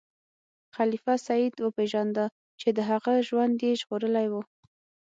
خلیفه سید وپیژنده چې د هغه ژوند یې ژغورلی و.